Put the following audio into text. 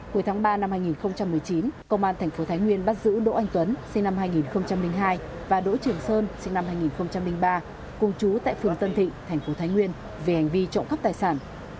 cuối tháng ba năm hai nghìn một mươi chín công an thành phố thái nguyên bắt giữ đỗ anh tuấn sinh năm hai nghìn hai và đỗ trường sơn sinh năm hai nghìn ba cùng chú tại phường tân thịnh thành phố thái nguyên về hành vi trộm cắp tài sản